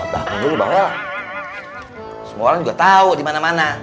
bahkan dulu bahwa semua orang juga tahu di mana mana